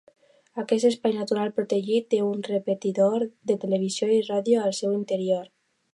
Aquest espai natural protegit té un repetidor de televisió i ràdio al seu interior.